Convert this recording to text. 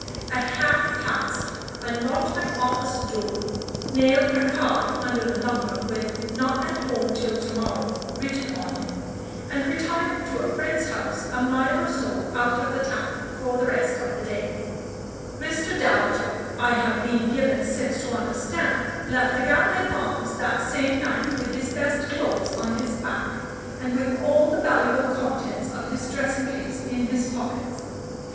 At half past I locked my office door, nailed a card under the knocker with "not at home till to morrow" written on it, and retired to a friend's house a mile or so out of the town for the rest of the day. Mr. Davager, I have been since given to understand, left the Gatliffe Arms that same night with his best clothes on his back, and with all the valuable contents of his dressing case in his pockets.